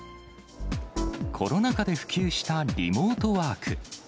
コロナ禍で普及したリモートワーク。